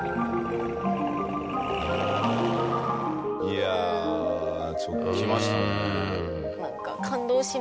いやあちょっときましたね。